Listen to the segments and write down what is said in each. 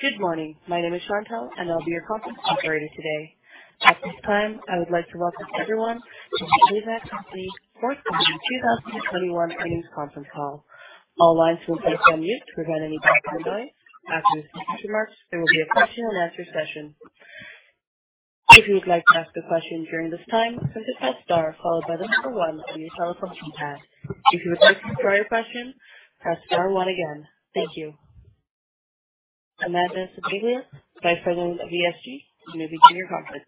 Good morning. My name is Chantelle, and I'll be your conference operator today. At this time, I would like to welcome everyone to The AZEK Company fourth quarter 2021 earnings conference call. All lines will be placed on mute to prevent any background noise. After the opening remarks, there will be a question-and-answer session. If you would like to ask a question during this time, press star followed by the number one on your telephone keypad. If you would like to withdraw your question, press star one again. Thank you. Amanda Cimaglia, Vice President of ESG, you may begin your conference.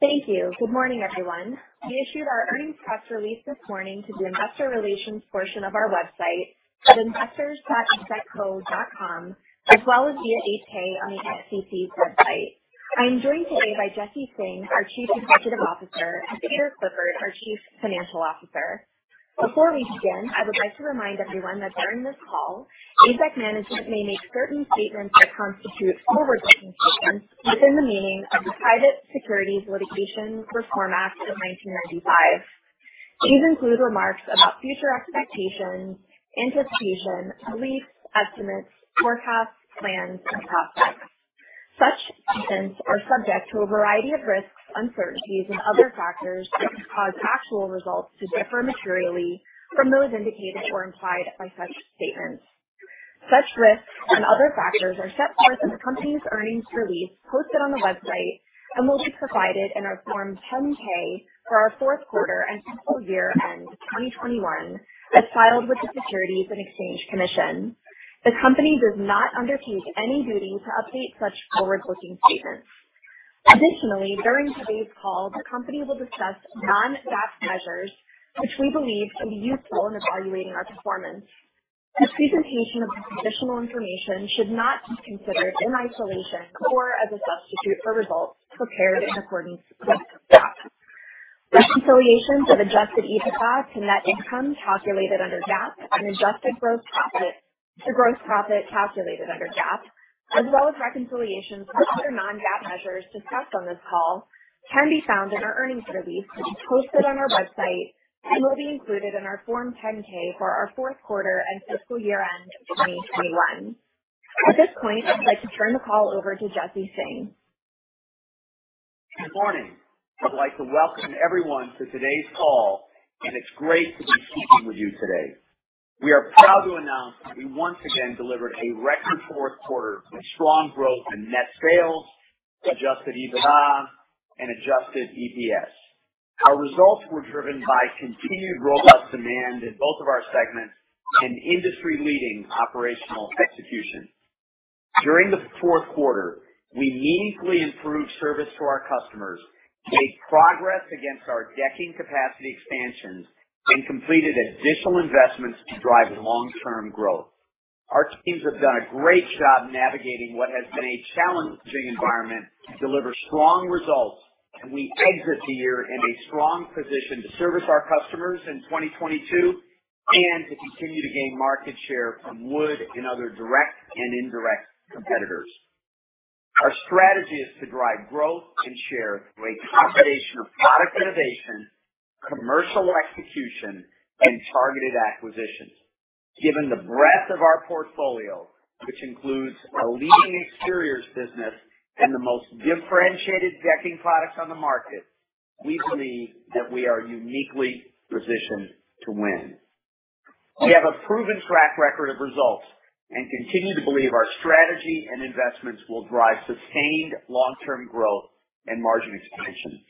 Thank you. Good morning, everyone. We issued our earnings press release this morning to the investor relations portion of our website at investors.azekco.com, as well as via EDGAR on the SEC website. I am joined today by Jesse Singh, our Chief Executive Officer, and Peter Clifford, our Chief Financial Officer. Before we begin, I would like to remind everyone that during this call, AZEK management may make certain statements that constitute forward-looking statements within the meaning of the Private Securities Litigation Reform Act of 1995. These include remarks about future expectations, anticipation, beliefs, estimates, forecasts, plans, and prospects. Such statements are subject to a variety of risks, uncertainties and other factors that could cause actual results to differ materially from those indicated or implied by such statements. Such risks and other factors are set forth in the company's earnings release posted on the website and will be provided in our Form 10-K for our fourth quarter and fiscal year ended 2021 as filed with the Securities and Exchange Commission. The company does not undertake any duty to update such forward-looking statements. Additionally, during today's call, the company will discuss non-GAAP measures, which we believe can be useful in evaluating our performance. This presentation of this additional information should not be considered in isolation or as a substitute for results prepared in accordance with GAAP. Reconciliations of adjusted EBITDA to net income calculated under GAAP and adjusted gross profit to gross profit calculated under GAAP, as well as reconciliations of other non-GAAP measures discussed on this call can be found in our earnings release, which is posted on our website and will be included in our Form 10-K for our fourth quarter and fiscal year end 2021. At this point, I'd like to turn the call over to Jesse Singh. Good morning. I'd like to welcome everyone to today's call, and it's great to be speaking with you today. We are proud to announce that we once again delivered a record fourth quarter with strong growth in net sales, adjusted EBITDA and adjusted EPS. Our results were driven by continued robust demand in both of our segments and industry-leading operational execution. During the fourth quarter, we meaningfully improved service to our customers, made progress against our decking capacity expansions and completed additional investments to drive long-term growth. Our teams have done a great job navigating what has been a challenging environment to deliver strong results, and we exit the year in a strong position to service our customers in 2022 and to continue to gain market share from wood and other direct and indirect competitors. Our strategy is to drive growth and share through a combination of product innovation, commercial execution and targeted acquisitions. Given the breadth of our portfolio, which includes a leading exteriors business and the most differentiated decking products on the market, we believe that we are uniquely positioned to win. We have a proven track record of results and continue to believe our strategy and investments will drive sustained long-term growth and margin expansion.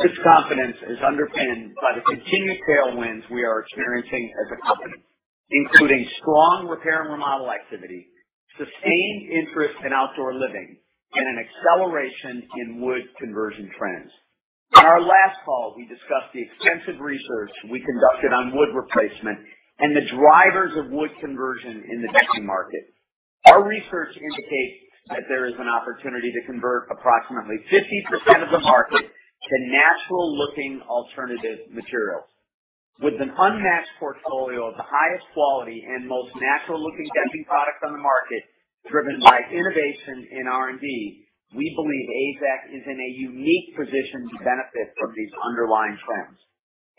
This confidence is underpinned by the continued tailwinds we are experiencing as a company, including strong repair and remodel activity, sustained interest in outdoor living and an acceleration in wood conversion trends. On our last call, we discussed the extensive research we conducted on wood replacement and the drivers of wood conversion in the decking market. Our research indicates that there is an opportunity to convert approximately 50% of the market to natural looking alternative materials. With an unmatched portfolio of the highest quality and most natural-looking decking products on the market, driven by innovation in R&D, we believe AZEK is in a unique position to benefit from these underlying trends.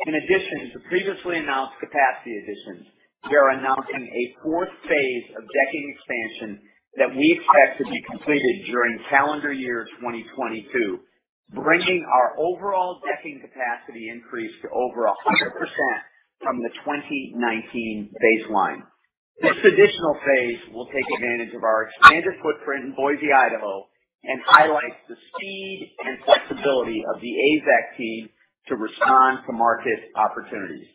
In addition to the previously announced capacity additions, we are announcing a fourth phase of decking expansion that we expect to be completed during calendar year 2022, bringing our overall decking capacity increase to over 100% from the 2019 baseline. This additional phase will take advantage of our expanded footprint in Boise, Idaho, and highlights the speed and flexibility of the AZEK team to respond to market opportunities.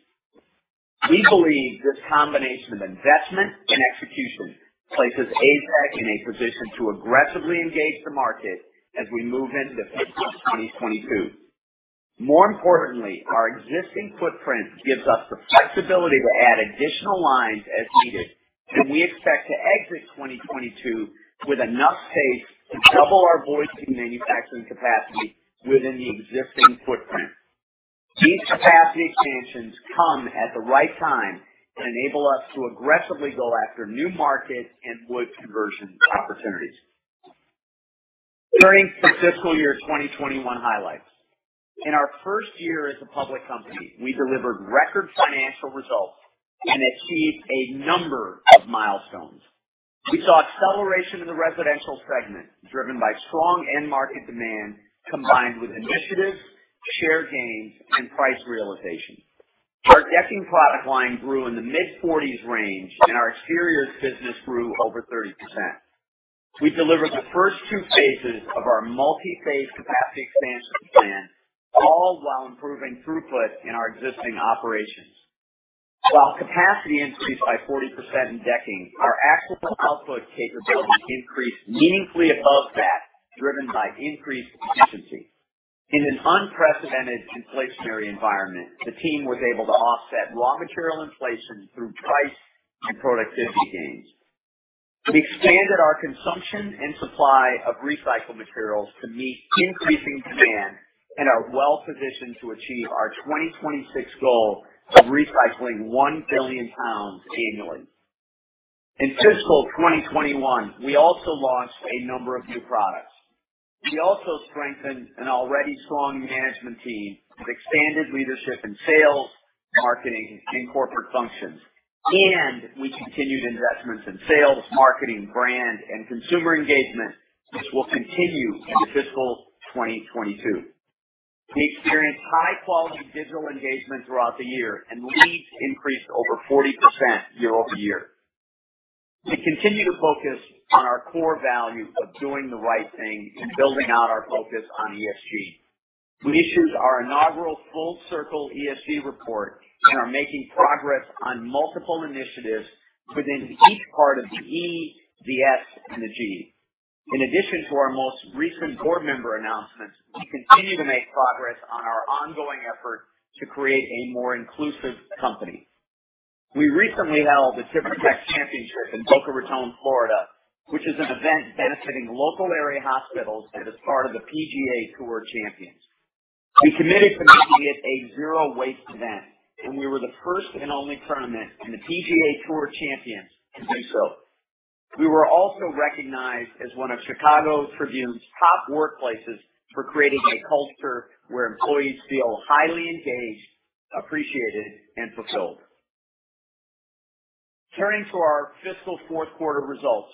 We believe this combination of investment and execution places AZEK in a position to aggressively engage the market as we move into 2022. More importantly, our existing footprint gives us the flexibility to add additional lines as needed, and we expect to exit 2022 with enough space to double our Boise manufacturing capacity within the existing footprint. These capacity expansions come at the right time and enable us to aggressively go after new markets and wood conversion opportunities. Turning to fiscal year 2021 highlights. In our first year as a public company, we delivered record financial results and achieved a number of milestones. We saw acceleration in the residential segment, driven by strong end market demand, combined with initiatives, share gains, and price realization. Our decking product line grew in the mid-40s% range, and our exteriors business grew over 30%. We delivered the first two phases of our multi-phase capacity expansion plan, all while improving throughput in our existing operations. While capacity increased by 40% in decking, our actual output capability increased meaningfully above that, driven by increased efficiency. In an unprecedented inflationary environment, the team was able to offset raw material inflation through price and productivity gains. We expanded our consumption and supply of recycled materials to meet increasing demand and are well positioned to achieve our 2026 goal of recycling 1 billion pounds annually. In fiscal 2021, we also launched a number of new products. We also strengthened an already strong management team with expanded leadership in sales, marketing, and corporate functions. We continued investments in sales, marketing, brand, and consumer engagement, which will continue into fiscal 2022. We experienced high quality digital engagement throughout the year, and leads increased over 40% year-over-year. We continue to focus on our core value of doing the right thing and building out our focus on ESG. We issued our inaugural FULL-CIRCLE ESG Report and are making progress on multiple initiatives within each part of the E, the S, and the G. In addition to our most recent board member announcements, we continue to make progress on our ongoing effort to create a more inclusive company. We recently held the TimberTech Championship in Boca Raton, Florida, which is an event benefiting local area hospitals that is part of the PGA Tour Champions. We committed to making it a zero-waste event, and we were the first and only tournament in the PGA Tour Champions to do so. We were also recognized as one of Chicago Tribune's top workplaces for creating a culture where employees feel highly engaged, appreciated, and fulfilled. Turning to our fiscal fourth quarter results.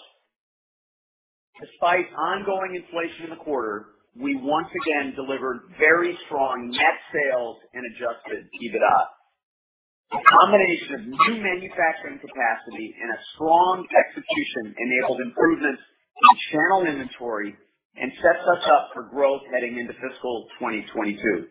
Despite ongoing inflation in the quarter, we once again delivered very strong net sales and adjusted EBITDA. A combination of new manufacturing capacity and a strong execution enabled improvements in channel inventory and sets us up for growth heading into fiscal 2022.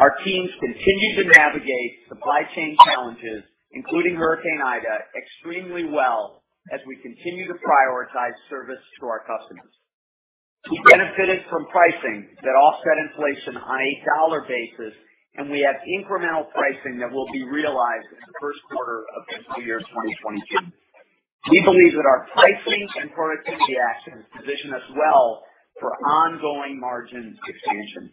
Our teams continued to navigate supply chain challenges, including Hurricane Ida, extremely well as we continue to prioritize service to our customers. We benefited from pricing that offset inflation on a dollar basis, and we have incremental pricing that will be realized in the first quarter of fiscal year 2022. We believe that our pricing and productivity actions position us well for ongoing margin expansion.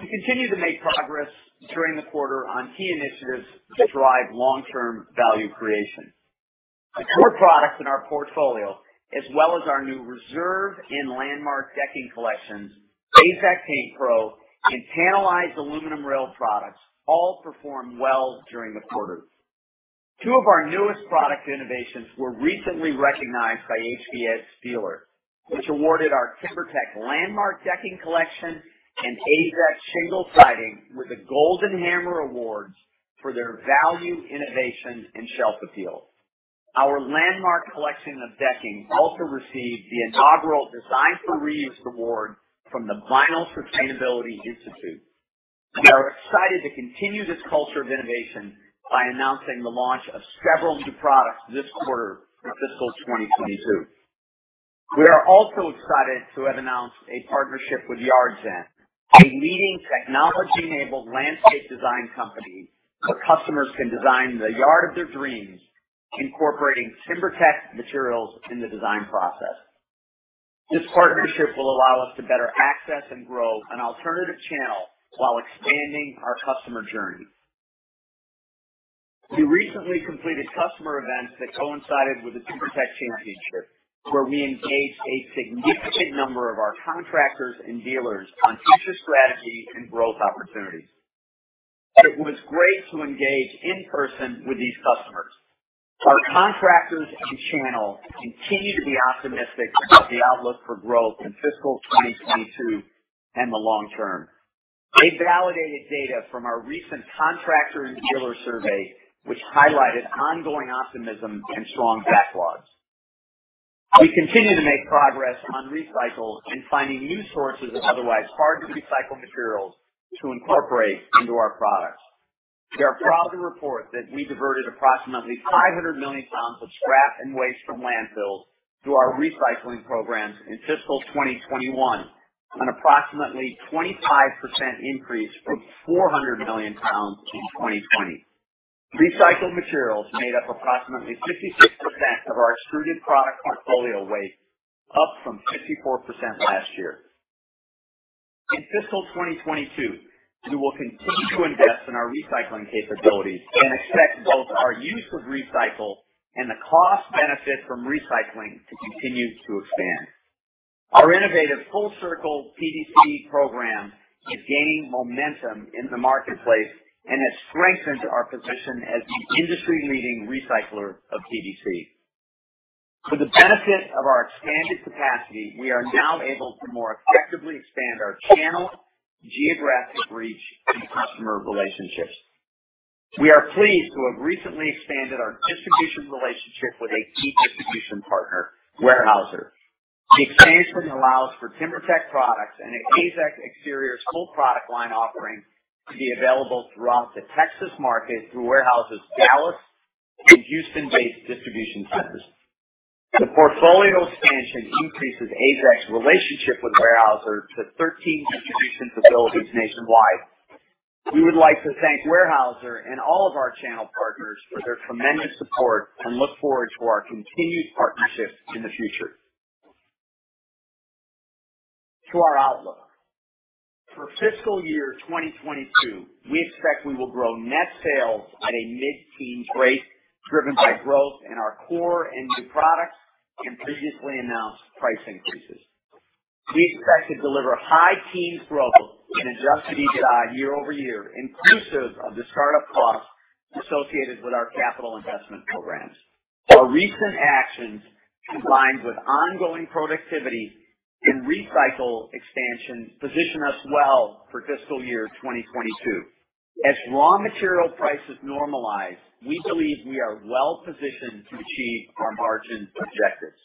We continue to make progress during the quarter on key initiatives to drive long-term value creation. Our core products in our portfolio, as well as our new Reserve and Landmark decking collections, AZEK PaintPro, and panelized aluminum rail products all performed well during the quarter. Two of our newest product innovations were recently recognized by HBSDealer, which awarded our TimberTech Landmark decking collection and AZEK Shingle Siding with the Golden Hammer Awards for their value, innovation, and shelf appeal. Our Landmark collection of decking also received the inaugural Design for Reuse Award from the Vinyl Sustainability Council. We are excited to continue this culture of innovation by announcing the launch of several new products this quarter for fiscal 2022. We are also excited to have announced a partnership with Yardzen, a leading technology-enabled landscape design company where customers can design the yard of their dreams, incorporating TimberTech materials in the design process. This partnership will allow us to better access and grow an alternative channel while expanding our customer journey. We recently completed customer events that coincided with the TimberTech Championship, where we engaged a significant number of our contractors and dealers on future strategy and growth opportunities. It was great to engage in person with these customers. Our contractors and channel continue to be optimistic about the outlook for growth in fiscal 2022 and the long term. They validated data from our recent contractor and dealer survey, which highlighted ongoing optimism and strong backlogs. We continue to make progress on recycling and finding new sources of otherwise hard to recycle materials to incorporate into our products. We are proud to report that we diverted approximately 500 million pounds of scrap and waste from landfills through our recycling programs in fiscal 2021, an approximately 25% increase from 400 million pounds in 2020. Recycled materials made up approximately 56% of our extruded product portfolio weight, up from 54% last year. In fiscal 2022, we will continue to invest in our recycling capabilities and expect both our use of recycle and the cost benefit from recycling to continue to expand. Our innovative FULL-CIRCLE PVC program is gaining momentum in the marketplace and has strengthened our position as the industry leading recycler of PVC. For the benefit of our expanded capacity, we are now able to more effectively expand our channel, geographic reach, and customer relationships. We are pleased to have recently expanded our distribution relationship with a key distribution partner, Weyerhaeuser. The expansion allows for TimberTech products and AZEK Exteriors full product line offering to be available throughout the Texas market through Weyerhaeuser's Dallas and Houston-based distribution centers. The portfolio expansion increases AZEK's relationship with Weyerhaeuser to 13 distribution facilities nationwide. We would like to thank Weyerhaeuser and all of our channel partners for their tremendous support and look forward to our continued partnership in the future. To our outlook. For fiscal year 2022, we expect we will grow net sales at a mid-teen rate, driven by growth in our core and new products and previously announced price increases. We expect to deliver high teen growth in adjusted EBITDA year-over-year, inclusive of the start-up costs associated with our capital investment programs. Our recent actions, combined with ongoing productivity and recycle expansion, position us well for fiscal year 2022. As raw material prices normalize, we believe we are well positioned to achieve our margin objectives.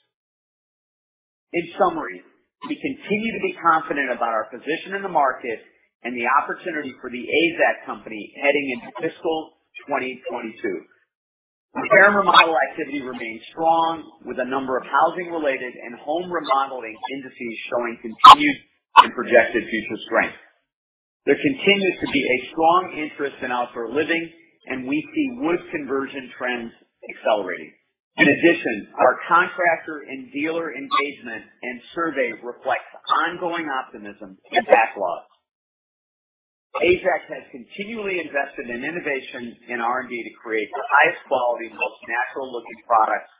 In summary, we continue to be confident about our position in the market and the opportunity for the AZEK Company heading into fiscal 2022. Repair and remodel activity remains strong, with a number of housing related and home remodeling indices showing continued and projected future strength. There continues to be a strong interest in outdoor living, and we see wood conversion trends accelerating. In addition, our contractor and dealer engagement and survey reflects ongoing optimism and backlogs. AZEK has continually invested in innovation and R&D to create the highest quality, most natural looking products,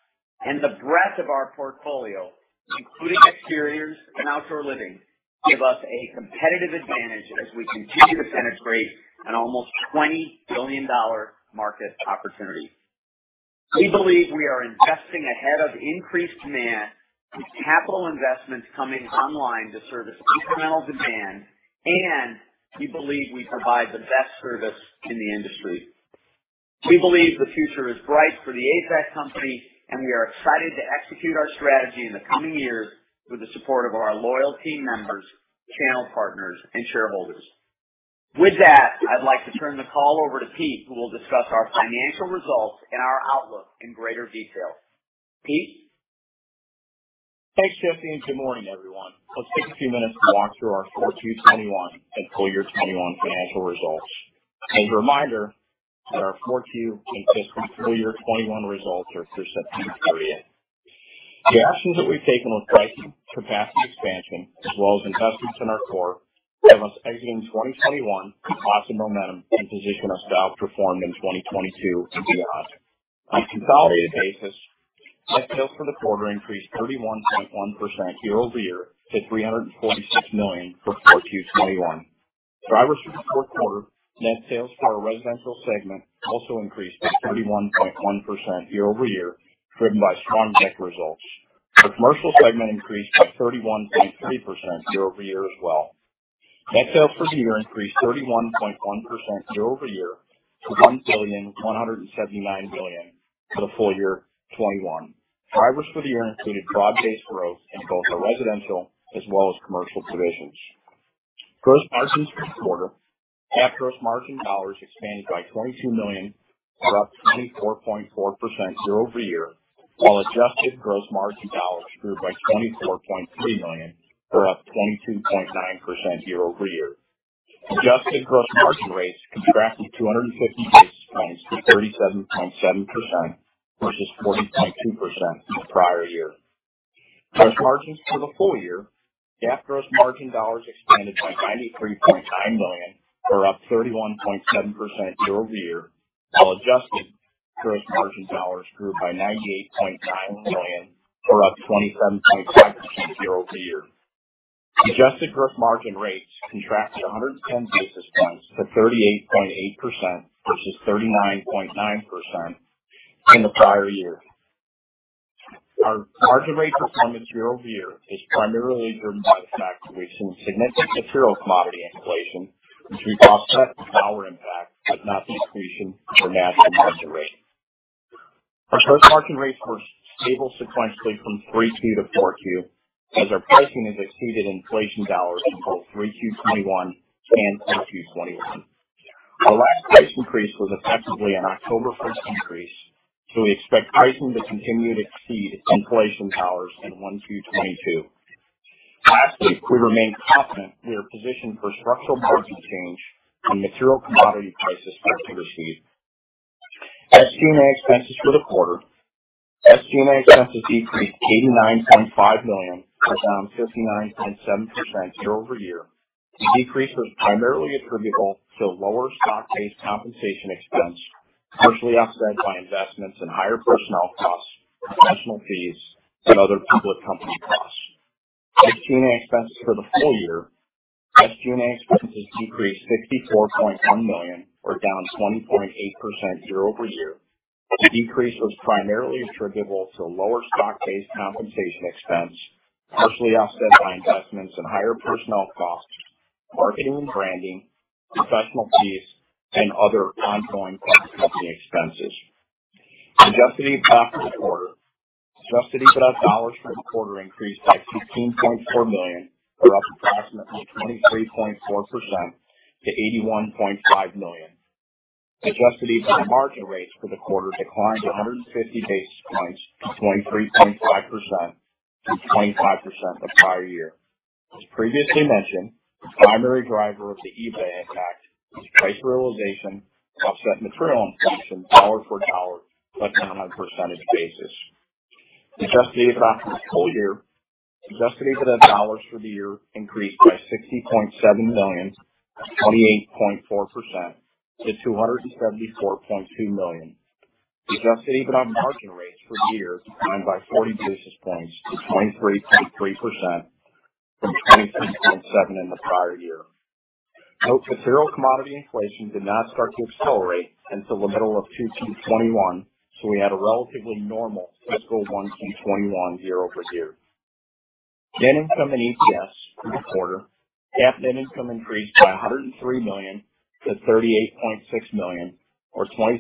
and the breadth of our portfolio, including exteriors and outdoor living, give us a competitive advantage as we continue to penetrate an almost $20 billion market opportunity. We believe we are investing ahead of increased demand with capital investments coming online to service incremental demand, and we believe we provide the best service in the industry. We believe the future is bright for the AZEK Company, and we are excited to execute our strategy in the coming years with the support of our loyal team members, channel partners, and shareholders. With that, I'd like to turn the call over to Pete, who will discuss our financial results and our outlook in greater detail. Pete? Thanks, Jesse, and good morning, everyone. Let's take a few minutes to walk through our Q4 2021 and full year 2021 financial results. As a reminder that our Q4 and fiscal full year 2021 results are through September 30. The actions that we've taken with pricing, capacity expansion, as well as investments in our core have us exiting 2021 with lots of momentum and position us well to perform in 2022 and beyond. On a consolidated basis, net sales for the quarter increased 31.1% year-over-year to $346 million for Q4 2021. Drivers for the fourth quarter net sales for our Residential segment also increased by 31.1% year-over-year, driven by strong deck results. Our Commercial segment increased by 31.3% year-over-year as well. Net sales for the year increased 31.1% year-over-year to $1.179 billion for the full year 2021. Drivers for the year included broad-based growth in both our residential as well as commercial divisions. Gross margins for the quarter. Adjusted gross margin dollars expanded by $22 million or up 24.4% year-over-year, while adjusted gross margin dollars grew by $24.3 million or up 22.9% year-over-year. Adjusted gross margin rates contracted 250 basis points to 37.7% versus 40.2% in the prior year. Gross margins for the full year. The adjusted gross margin dollars expanded by $93.9 million or up 31.7% year-over-year, while adjusted gross margin dollars grew by $98.9 million or up 27.7% year-over-year. Adjusted gross margin rates contracted 110 basis points to 38.8% versus 39.9% in the prior year. Our margin rate performance year-over-year is primarily driven by the fact we've seen significant material commodity inflation, which we've offset with power impact, but not the increase in our natural margin rate. Our gross margin rates were stable sequentially from 3Q to 4Q as our pricing has exceeded inflation dollars in both 3Q 2021 and 4Q 2021. Our last price increase was effectively an October 1 increase, so we expect pricing to continue to exceed inflation dollars in 1Q 2022. Lastly, we remain confident we are positioned for structural margin change when material commodity prices start to recede. SG&A expenses for the quarter. SG&A expenses decreased $89.5 million, or down 59.7% year-over-year. The decrease was primarily attributable to lower stock-based compensation expense, partially offset by investments in higher personnel costs, professional fees, and other public company costs. SG&A expenses for the full year. SG&A expenses decreased $64.1 million, or down 20.8% year-over-year. The decrease was primarily attributable to lower stock-based compensation expense, partially offset by investments in higher personnel costs, marketing and branding, professional fees, and other ongoing public company expenses. Adjusted EBITDA for the quarter. Adjusted EBITDA dollars for the quarter increased by $16.4 million, or up approximately 23.4% to $81.5 million. Adjusted EBITDA margin rates for the quarter declined 150 basis points to 23.5% from 25% the prior year. As previously mentioned, the primary driver of the EBITDA impact was price realization offsetting material inflation dollar for dollar, but down on a percentage basis. Adjusted EBITDA dollars for the full year increased by $60.7 million, or 28.4% to $274.2 million. Adjusted EBITDA margin rates for the year declined by 40 basis points to 23.3% from 23.7% in the prior year. Note material commodity inflation did not start to accelerate until the middle of 2021, so we had a relatively normal fiscal 2021 year-over-year. Net income and EPS for the quarter. GAAP net income increased by $103 million to $38.6 million or $0.25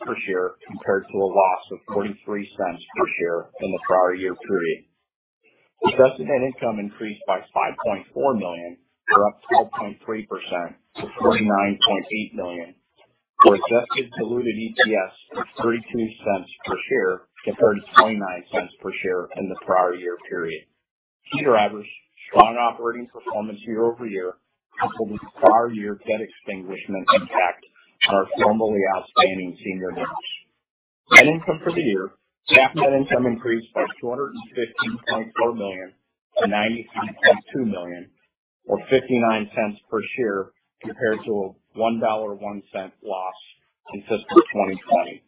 per share compared to a loss of $0.43 per share in the prior year period. Adjusted net income increased by $5.4 million or up 12.3% to $49.8 million for adjusted diluted EPS of $0.32 per share compared to $0.29 per share in the prior year period. Key drivers. Strong operating performance year-over-year, coupled with prior year debt extinguishment impact on our formerly outstanding senior notes. Net income for the year. GAAP net income increased by $215.4 million to $93.2 million or $0.59 per share compared to a $1.01 loss in fiscal 2020.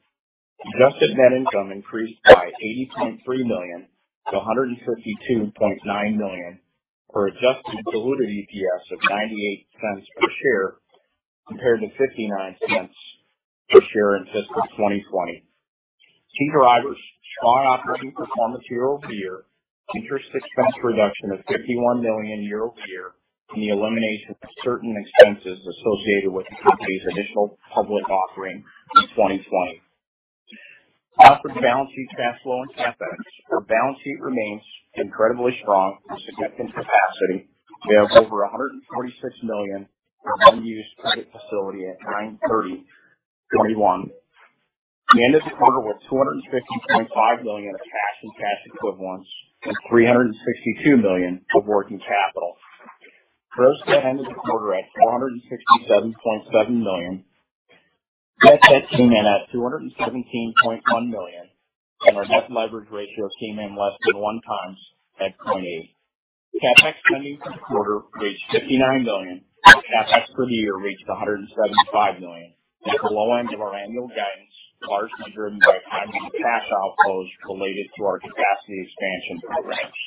Adjusted net income increased by $80.3 million to $152.9 million for adjusted diluted EPS of $0.98 per share compared to $0.59 per share in fiscal 2020. Key drivers. Strong operating performance year-over-year. Interest expense reduction of $51 million year-over-year and the elimination of certain expenses associated with the company's initial public offering in 2020. Operating, balance sheet, cash flow, and CapEx. Our balance sheet remains incredibly strong with significant capacity. We have over $146 million in unused credit facility at 9/30/2021. We ended the quarter with $250.5 million of cash and cash equivalents and $362 million of working capital. Gross debt ended the quarter at $467.7 million. Net debt came in at $217.1 million, and our net leverage ratio came in less than 1x at 0.8. CapEx spending for the quarter reached $59 million. CapEx for the year reached $175 million at the low end of our annual guidance, largely driven by timing of cash outflows related to our capacity expansion programs.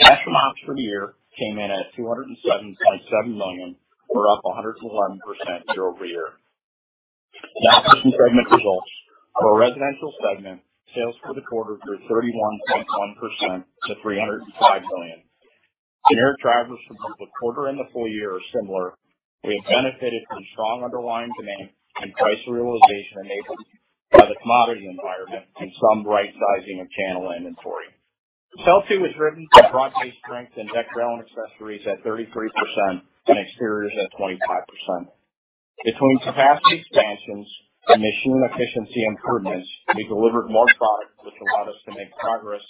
Cash from ops for the year came in at $207.7 million, or up 111% year-over-year. Segment results. For our Residential segment, sales for the quarter grew 31.1% to $305 million. Unit drivers for both the quarter and the full year are similar. We have benefited from strong underlying demand and price realization enabled by the commodity environment and some rightsizing of channel inventory. Sales here was driven by broad-based strength in deck, rail, and accessories at 33% and exteriors at 25%. Between capacity expansions and machine efficiency improvements, we delivered more product, which allowed us to make progress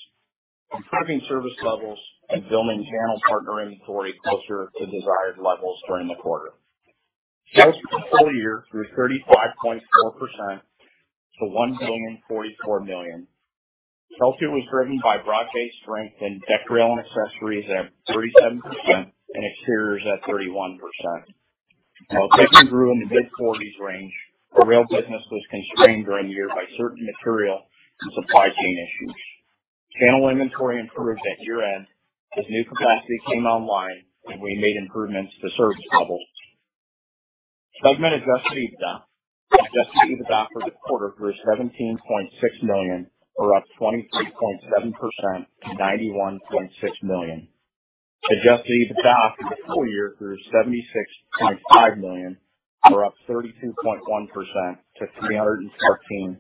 improving service levels and building channel partner inventory closer to desired levels during the quarter. Sales for the full year grew 35.4% to $1,044 million. Sales here was driven by broad-based strength in deck, rail, and accessories at 37% and exteriors at 31%. While deck and rail grew in the mid-40s range, the rail business was constrained during the year by certain material and supply chain issues. Channel inventory improved at year-end as new capacity came online, and we made improvements to service levels. Segment adjusted EBITDA. Adjusted EBITDA for the quarter grew $17.6 million or up 23.7% to $91.6 million. Adjusted EBITDA for the full year grew $76.5 million or up 32.1% to $313.6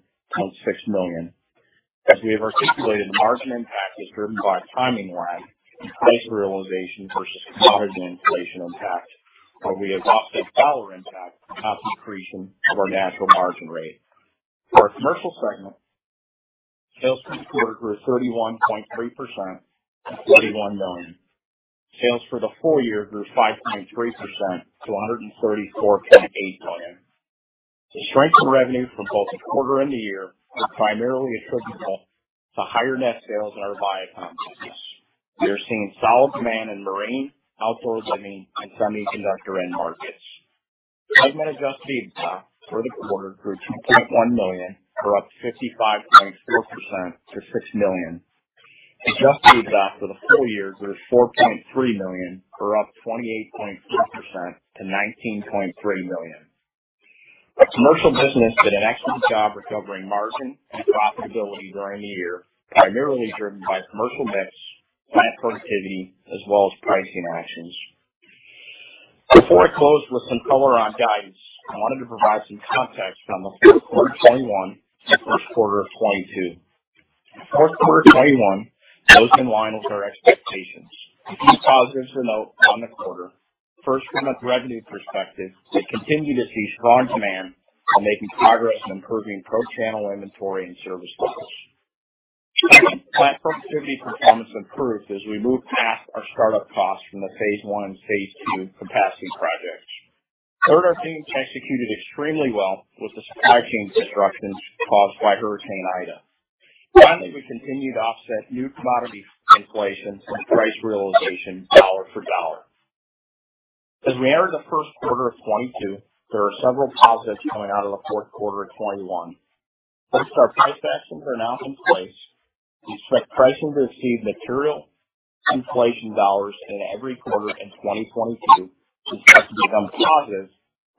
million. As we have articulated, the margin impact is driven by timing lag and price realization versus commodity inflation impact, where we have offset dollar impact with cost accretion to our natural margin rate. For our commercial segment, sales for the quarter grew 31.3% to $31 million. Sales for the full year grew 5.3% to $134.8 million. The strength in revenue from both the quarter and the year were primarily attributable to higher net sales in our Vycom business. We are seeing solid demand in marine, outdoor living, and semiconductor end markets. Segment adjusted EBITDA for the quarter grew $2.1 million or up 55.4% to $6 million. Adjusted EBITDA for the full year grew $4.3 million or up 28.3% to $19.3 million. Our commercial business did an excellent job recovering margin and profitability during the year, primarily driven by commercial mix, plant productivity, as well as pricing actions. Before I close with some color on guidance, I wanted to provide some context on the fourth quarter of 2021 and first quarter of 2022. Fourth quarter of 2021 was in line with our expectations. A few positives to note on the quarter. First, from a revenue perspective, we continue to see strong demand while making progress in improving pro-channel inventory and service levels. Second, plant productivity performance improved as we moved past our start-up costs from the phase one and phase two capacity projects. Third, our team executed extremely well with the supply chain disruptions caused by Hurricane Ida. Finally, we continued to offset new commodity inflation and price realization dollar for dollar. As we enter the first quarter of 2022, there are several positives coming out of the fourth quarter of 2021. First, our price actions are now in place. We expect pricing to receive material inflation dollars in every quarter in 2022. We expect to become positive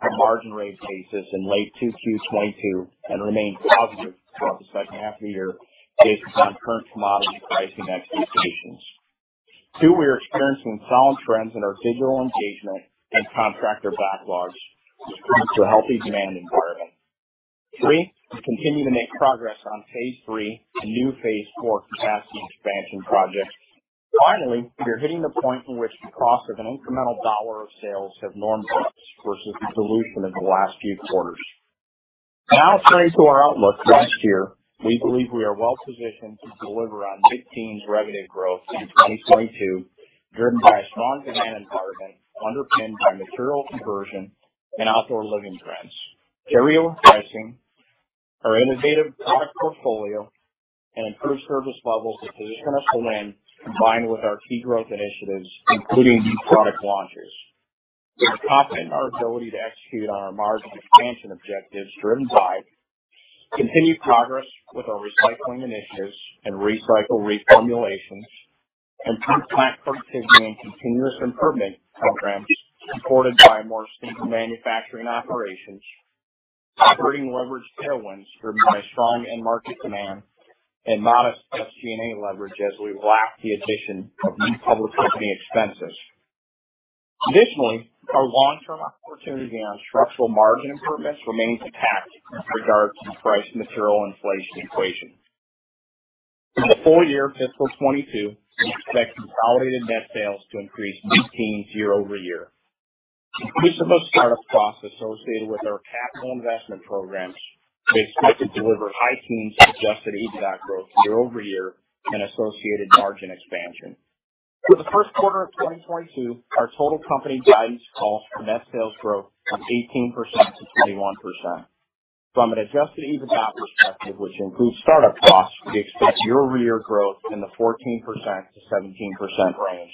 on a margin rate basis in late 2Q 2022 and remain positive throughout the second half of the year based on current commodity pricing expectations. Two, we are experiencing solid trends in our digital engagement and contractor backlogs, which points to a healthy demand environment. Three, we continue to make progress on phase three and new phase four capacity expansion projects. Finally, we are hitting the point in which the cost of an incremental dollar of sales have normalized versus dilution in the last few quarters. Now turning to our outlook for next year, we believe we are well positioned to deliver on mid-teens revenue growth in 2022, driven by a strong demand environment underpinned by material conversion and outdoor living trends, material pricing, our innovative product portfolio, and improved service levels to position us to win combined with our key growth initiatives, including new product launches. We are confident in our ability to execute on our margin expansion objectives driven by continued progress with our recycling initiatives and recycle reformulations, improved plant productivity and continuous improvement programs supported by more stable manufacturing operations, operating leverage tailwinds driven by strong end market demand, and modest SG&A leverage as we lap the addition of new public company expenses. Additionally, our long-term opportunity on structural margin improvements remains intact in regard to the price material inflation equation. In the full year fiscal 2022, we expect consolidated net sales to increase mid-teens year-over-year. In spite of the start-up costs associated with our capital investment programs, we expect to deliver high teens adjusted EBITDA growth year-over-year and associated margin expansion. For the first quarter of 2022, our total company guidance calls for net sales growth of 18%-21%. From an adjusted EBITDA perspective, which includes start-up costs, we expect year-over-year growth in the 14%-17% range.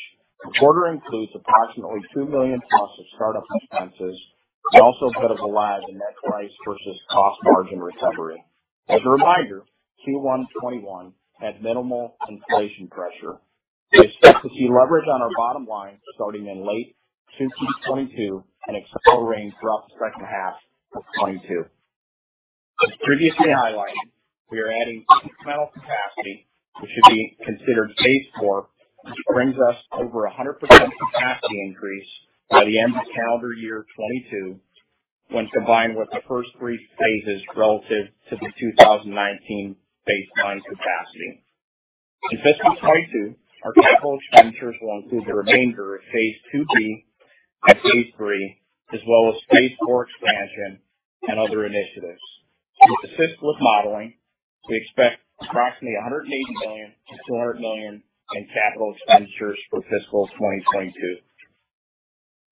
The quarter includes approximately $2 million+ of start-up expenses and also a bit of a lag in net price versus cost margin recovery. As a reminder, Q1 2021 had minimal inflation pressure. We expect to see leverage on our bottom line starting in late 2Q 2022 and accelerating throughout the second half of 2022. As previously highlighted, we are adding incremental capacity, which should be considered phase four, which brings us over 100% capacity increase by the end of calendar year 2022 when combined with the first three phases relative to the 2019 baseline capacity. In fiscal 2022, our capital expenditures will include the remainder of phase two B and phase three as well as phase four expansion and other initiatives. With the fiscal modeling, we expect approximately $180 million-$200 million in capital expenditures for fiscal 2022.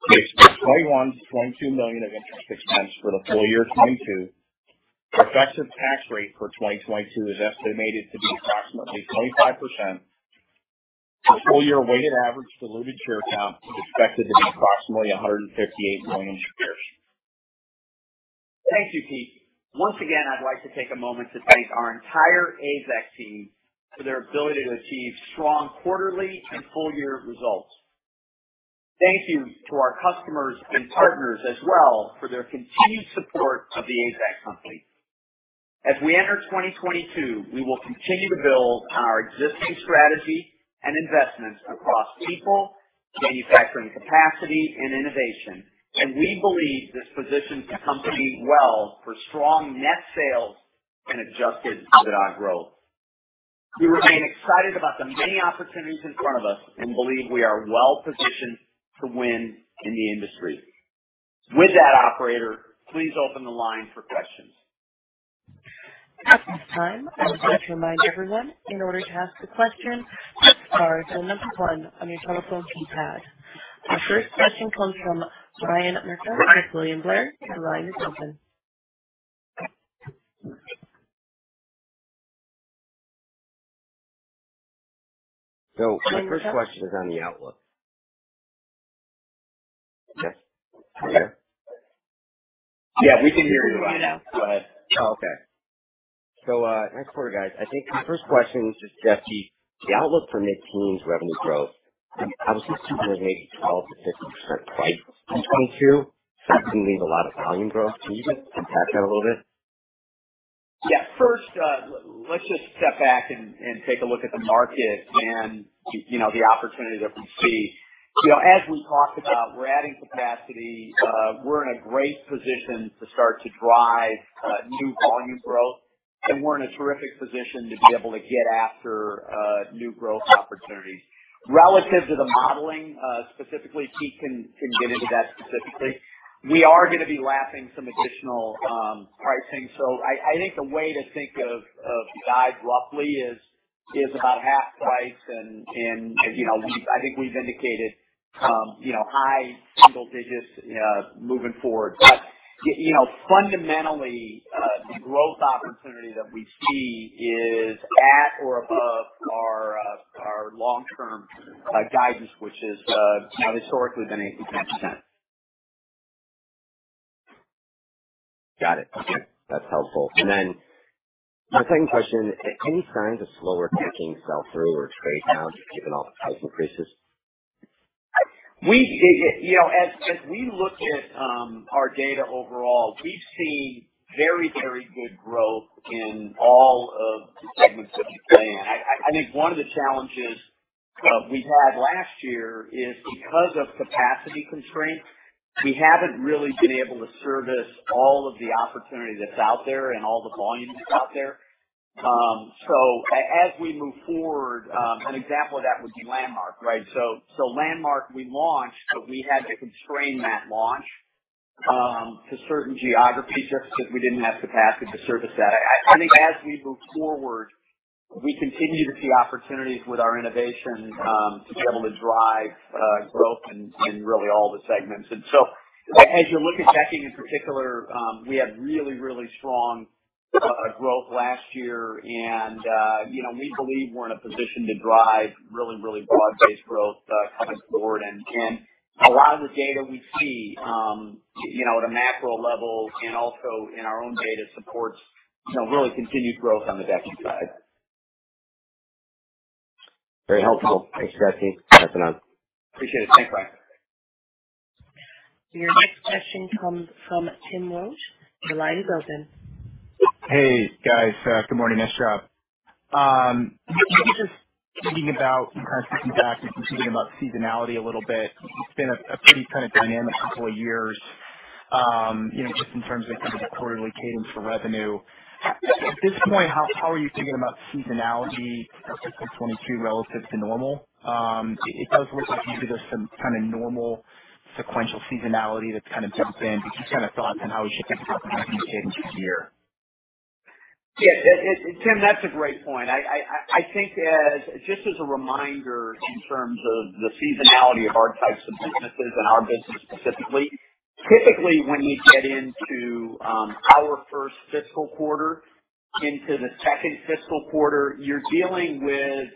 We expect $21 million-$22 million of interest expense for the full year 2022. Our effective tax rate for 2022 is estimated to be approximately 25%. Our full year weighted average diluted share count is expected to be approximately 158 million shares. Thank you, Pete. Once again, I'd like to take a moment to thank our entire AZEK team for their ability to achieve strong quarterly and full year results. Thank you to our customers and partners as well for their continued support of the AZEK Company. As we enter 2022, we will continue to build on our existing strategy and investments across people, manufacturing capacity, and innovation, and we believe this positions the company well for strong net sales and adjusted EBITDA growth. We remain excited about the many opportunities in front of us and believe we are well positioned to win in the industry. With that, operator, please open the line for questions. At this time, I would like to remind everyone, in order to ask the question, press star then one on your telephone keypad. Our first question comes from Ryan Merkel with William Blair. Your line is open. My first question is on the outlook. Yes. Can you hear? Yeah, we can hear you right now. Go ahead. Next quarter, guys, I think my first question is just Jesse, the outlook for mid-teens revenue growth, in 2022. That's gonna leave a lot of volume growth. Can you just unpack that a little bit? Yeah. First, let's just step back and take a look at the market and, you know, the opportunity that we see. You know, as we talked about, we're adding capacity. We're in a great position to start to drive new volume growth, and we're in a terrific position to be able to get after new growth opportunities. Relative to the modeling, specifically, Pete can get into that specifically. We are gonna be lapping some additional pricing. I think the way to think of guide roughly is about half price. You know, I think we've indicated you know, high single digits moving forward. You know, fundamentally, the growth opportunity that we see is at or above our long-term guidance, which is historically been 80%. Got it. That's helpful. My second question. Any signs of slower decking sell through or trade down given all the price increases? You know, as we look at our data overall, we've seen very, very good growth in all of the segments that you say. I think one of the challenges we had last year is because of capacity constraints, we haven't really been able to service all of the opportunity that's out there and all the volume that's out there. So, as we move forward, an example of that would be Landmark, right? Landmark we launched, but we had to constrain that launch to certain geographies just because we didn't have capacity to service that. I think as we move forward, we continue to see opportunities with our innovation to be able to drive growth in really all the segments. As you look at decking in particular, we had really strong growth last year. We believe we're in a position to drive really broad-based growth coming forward. A lot of the data we see, you know, at a macro level, and also in our own data supports, you know, really continued growth on the decking side. Very helpful. Thanks, Jesse. Passing on. Appreciate it. Thanks. Bye. Your next question comes from Trey Grooms. Your line is open. Hey, guys. Good morning. Nice job. Just thinking about in terms of capacity and thinking about seasonality a little bit. It's been a pretty kind of dynamic couple of years, you know, just in terms of kind of the quarterly cadence for revenue. At this point, how are you thinking about seasonality for fiscal 2022 relative to normal? It does look like maybe there's some kind of normal sequential seasonality that's kind of built in. Just kind of thoughts on how it should be impacting this year. Yeah. Tim, that's a great point. I think just as a reminder in terms of the seasonality of our types of businesses and our business specifically, typically when you get into our first fiscal quarter into the second fiscal quarter, you're dealing with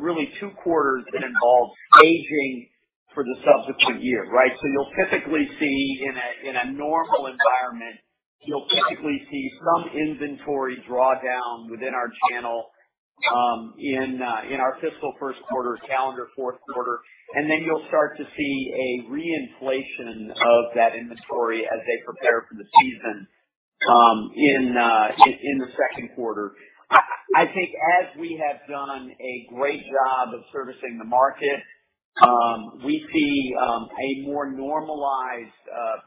really two quarters that involve aging for the subsequent year, right? You'll typically see in a normal environment some inventory draw down within our channel in our fiscal first quarter, calendar fourth quarter. You'll start to see a re-inflation of that inventory as they prepare for the season in the second quarter. I think as we have done a great job of servicing the market, we see a more normalized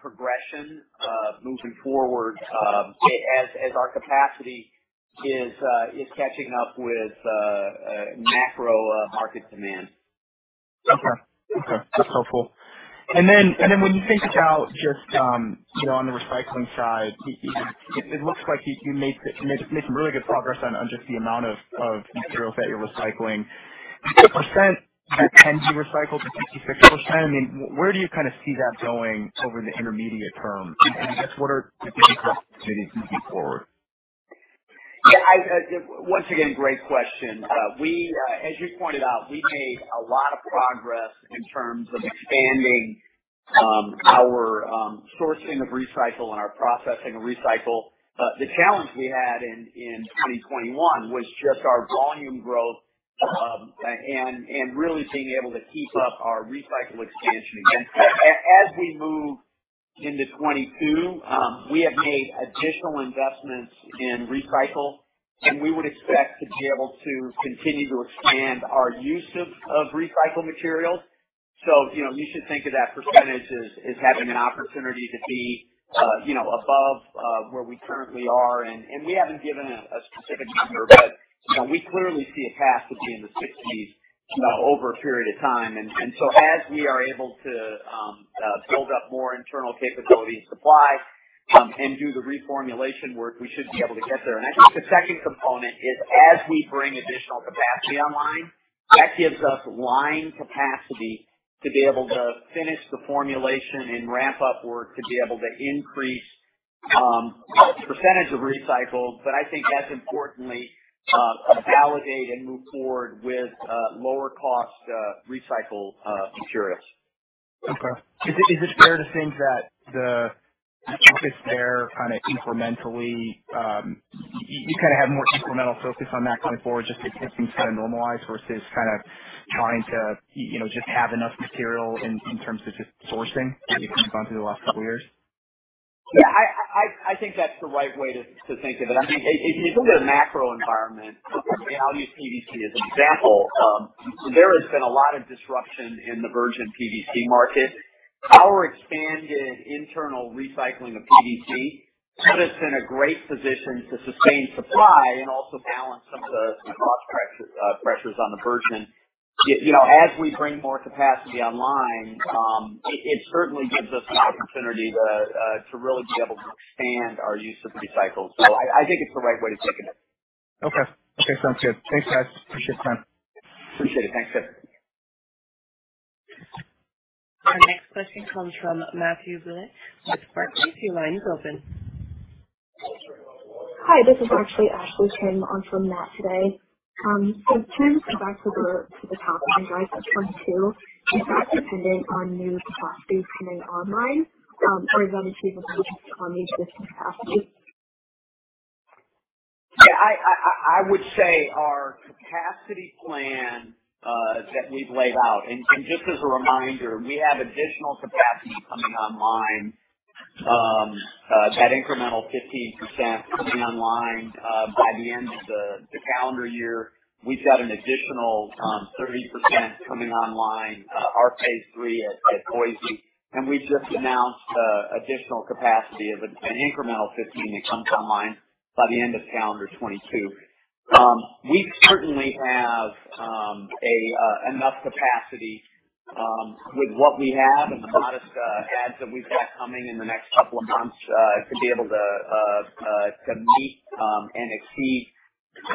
progression moving forward, as our capacity is catching up with macro market demand. Okay. That's helpful. When you think about just, you know, on the recycling side, it looks like you made some really good progress on just the amount of materials that you're recycling. The percent that can be recycled to 56%. I mean, where do you kind of see that going over the intermediate term? I guess what are the big growth opportunities moving forward? Once again, great question. As you pointed out, we've made a lot of progress in terms of expanding our sourcing of recycle and our processing of recycle. The challenge we had in 2021 was just our volume growth and really being able to keep up our recycle expansion. As we move into 2022, we have made additional investments in recycle, and we would expect to be able to continue to expand our use of recycled materials. You know, you should think of that percentage as having an opportunity to be you know, above where we currently are. We haven't given a specific number, but now we clearly see a path to be in the 60s over a period of time. as we are able to build up more internal capability and supply, and do the reformulation work, we should be able to get there. I think the second component is as we bring additional capacity online, that gives us line capacity to be able to finish the formulation and ramp up work to be able to increase percentage of recycled. I think as importantly, validate and move forward with lower cost recycled materials. Okay. Is it fair to think that the focus there kind of incrementally, you kind of have more incremental focus on that going forward just to get things kind of normalized versus kind of trying to, you know, just have enough material in terms of just sourcing as you have gone through the last couple of years? Yeah. I think that's the right way to think of it. I mean, if you look at a macro environment, I'll use PVC as an example. There has been a lot of disruption in the virgin PVC market. Our expanded internal recycling of PVC put us in a great position to sustain supply and also balance some of the cost pressures on the virgin. You know, as we bring more capacity online, it certainly gives us an opportunity to really be able to expand our use of recycled. I think it's the right way to think of it. Okay. Sounds good. Thanks, guys. Appreciate the time. Appreciate it. Thanks, Trey. Our next question comes from Matthew Bouley with Barclays. Your line is open. Hi, this is actually Ashley Kim on for Matthew Bouley today. In terms of access to the top end guidance from two, is that dependent on new capacity coming online, or is that achieved on existing capacity? Yeah, I would say our capacity plan that we've laid out and just as a reminder, we have additional capacity coming online, that incremental 15% coming online by the end of the calendar year. We've got an additional 30% coming online, our phase III at Boise, and we've just announced additional capacity of an incremental 15 that comes online by the end of calendar 2022. We certainly have enough capacity with what we have and the modest adds that we've got coming in the next couple of months to be able to meet and exceed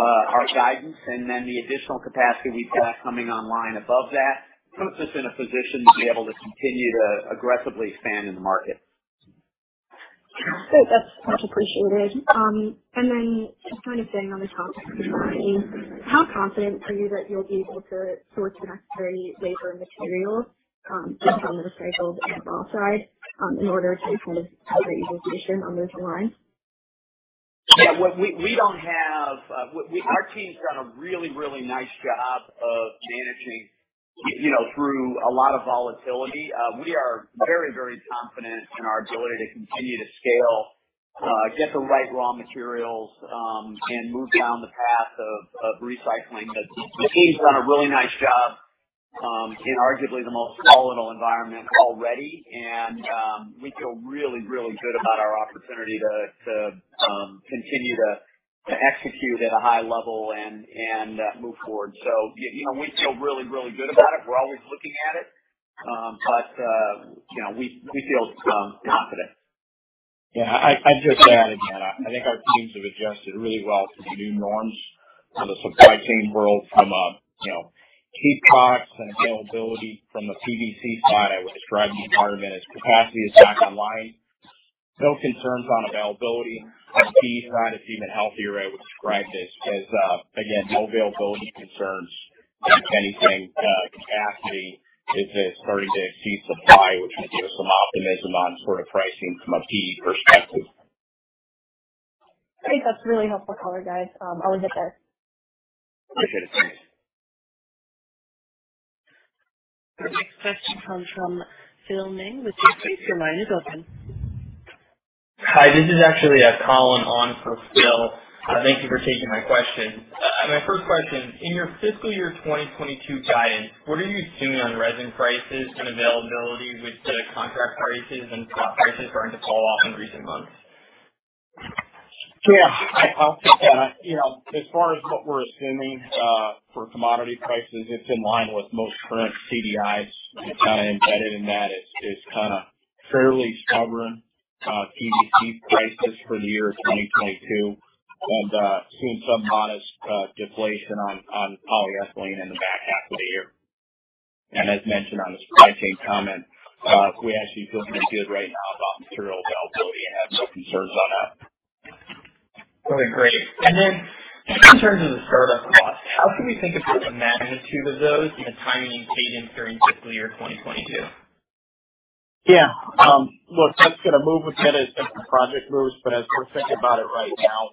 our guidance. The additional capacity we've got coming online above that puts us in a position to be able to continue to aggressively expand in the market. Great. That's much appreciated. Just kind of staying on the topic of the line, how confident are you that you'll be able to source enough gray labor and materials, both on the recycled and raw side, in order to kind of have that utilization on those lines? Our team's done a really, really nice job of managing, you know, through a lot of volatility. We are very, very confident in our ability to continue to scale, get the right raw materials, and move down the path of recycling. The team's done a really nice job in arguably the most volatile environment already. We feel really, really good about our opportunity to continue to execute at a high level and move forward. You know, we feel really, really good about it. We're always looking at it. You know, we feel confident. Yeah, I'd just add, again, I think our teams have adjusted really well to the new norms of the supply chain world from a, you know, key products and availability from a PVC side. I would describe the environment as capacity is back online. No concerns on availability. The PE side is even healthier, I would describe it, because, again, no availability concerns. If anything, capacity is starting to exceed supply, which would give us some optimism on sort of pricing from a PE perspective. I think that's really helpful color, guys. I'll leave it there. Appreciate it. Thanks. Our next question comes from Phil Ng with Jefferies. Your line is open. Hi, this is actually Colin on for Phil. Thank you for taking my question. My first question, in your fiscal year 2022 guidance, what are you assuming on resin prices and availability with the contract prices and spot prices starting to fall off in recent months? Yeah. I'll take that. You know, as far as what we're assuming for commodity prices, it's in line with most current CDIs. It's kind of embedded in that. It's kinda fairly stubborn PVC prices for the year 2022 and seeing some modest deflation on polyethylene in the back half of the year. As mentioned on the supply chain comment, we actually feel pretty good right now about material availability and have no concerns on that. Okay, great. In terms of the startup costs, how should we think about the magnitude of those and the timing and cadence during fiscal year 2022? Yeah. Look, that's gonna move with it as the project moves, but as we're thinking about it right now,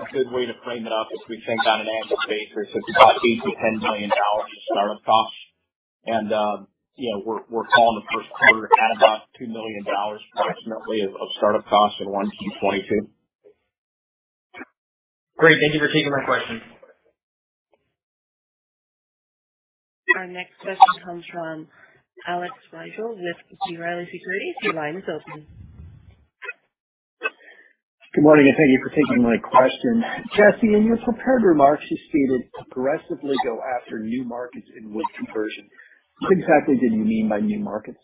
a good way to frame it up is we think on an annual basis, it's about $8 million-$10 million of startup costs. We're calling the first quarter at about $2 million approximately of startup costs in 1Q 2022. Great. Thank you for taking my question. Our next question comes from Alex Rygiel with B. Riley Securities. Your line is open. Good morning, and thank you for taking my question. Jesse, in your prepared remarks, you stated to progressively go after new markets and with conversion. What exactly did you mean by new markets?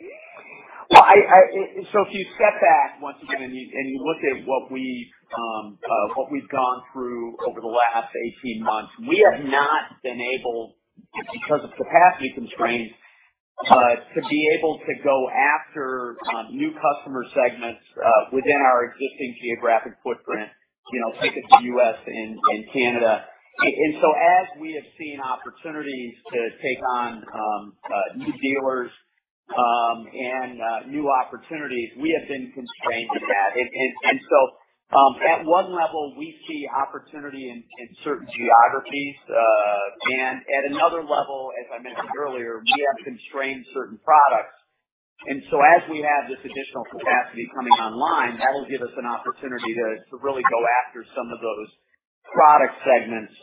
If you step back once again and you look at what we've gone through over the last 18 months, we have not been able, because of capacity constraints, to be able to go after new customer segments within our existing geographic footprint. You know, take it to U.S. and Canada. As we have seen opportunities to take on new dealers and new opportunities, we have been constrained in that. At one level, we see opportunity in certain geographies. At another level, as I mentioned earlier, we have constrained certain products. As we have this additional capacity coming online, that'll give us an opportunity to really go after some of those product segments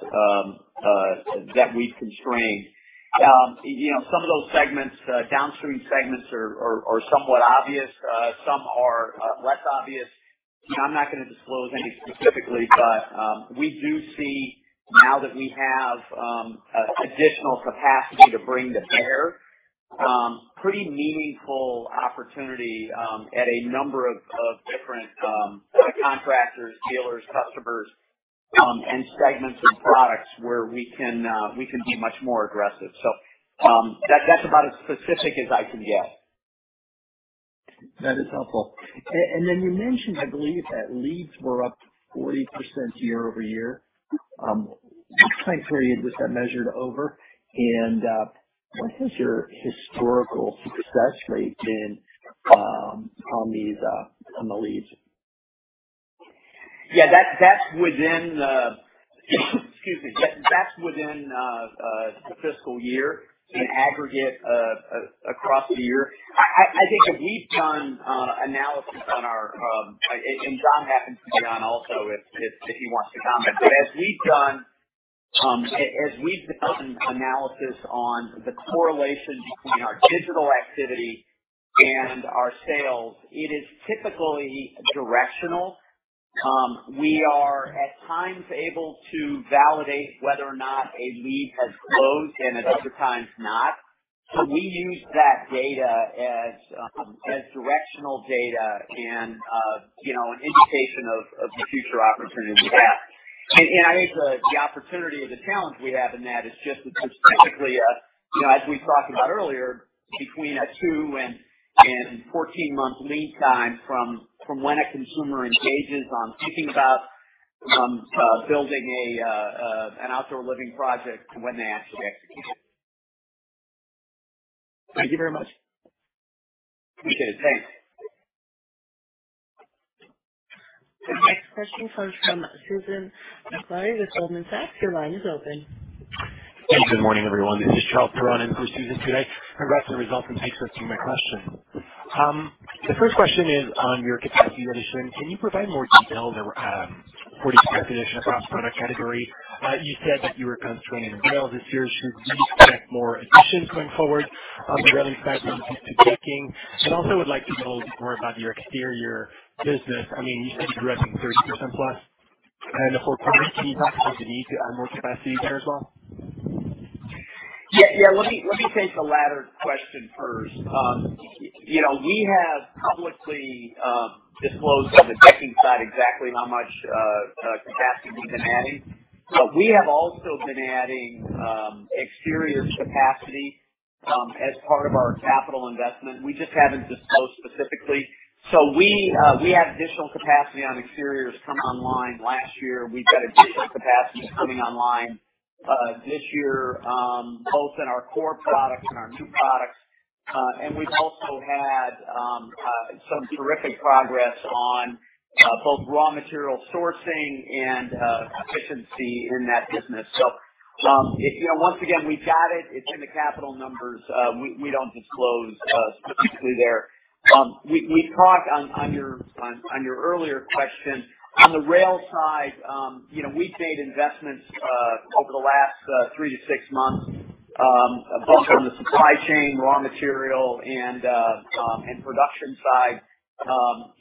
that we've constrained. You know, some of those segments, downstream segments are somewhat obvious. Some are less obvious. You know, I'm not gonna disclose any specifically, but we do see now that we have additional capacity to bring to bear pretty meaningful opportunity at a number of different contractors, dealers, customers, and segments and products where we can be much more aggressive. That's about as specific as I can get. That is helpful. Then you mentioned, I believe, that leads were up 40% year-over-year. What time period was that measured over? What is your historical success rate on these leads? Yeah, that's within, excuse me. That's within the fiscal year in aggregate across the year. I think as we've done analysis on our end and John happens to be on also if he wants to comment. As we've done analysis on the correlation between our digital activity and our sales, it is typically directional. We are at times able to validate whether or not a lead has closed and at other times not. We use that data as directional data and, you know, an indication of the future opportunity we have. I think the opportunity or the challenge we have in that is just it's typically, you know, as we talked about earlier, between a two and 14-month lead time from when a consumer engages on thinking about building an outdoor living project to when they actually execute. Thank you very much. Appreciate it. Thanks. The next question comes from Susan Maklari with Goldman Sachs. Your line is open. Thanks. Good morning, everyone. This is Charles Perron in for Susan today. Congrats on the results, and thanks for taking my question. The first question is on your capacity addition. Can you provide more details or for the capacity addition across product category? You said that you were concentrating on rails this year. Should we expect more additions going forward on the rail side once these two taking? Also, would like to know a little bit more about your exterior business. I mean, you should be growing 30%+. In the fourth quarter, can you talk about the need to add more capacity there as well? Yeah. Let me take the latter question first. You know, we have publicly disclosed on the decking side exactly how much capacity we've been adding. We have also been adding exterior capacity as part of our capital investment. We just haven't disclosed specifically. We had additional capacity on exteriors come online last year. We've got additional capacity coming online this year both in our core products and our new products. We've also had some terrific progress on both raw material sourcing and efficiency in that business. If you know once again, we've got it. It's in the capital numbers. We don't disclose specifically there. We talked on your earlier question. On the rail side, you know, we've made investments over the last three-six months both on the supply chain, raw material and production side.